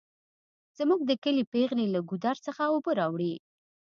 زمونږ د کلي پیغلې له ګودر څخه اوبه راوړي